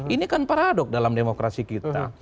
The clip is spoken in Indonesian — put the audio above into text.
ini kan paradok dalam demokrasi kita